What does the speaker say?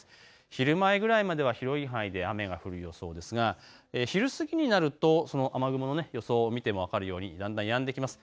昼前ぐらいまでは広い範囲で雨が降る予想ですが昼過ぎになるとその雨雲の予想を見ても分かるようにだんだんやんできます。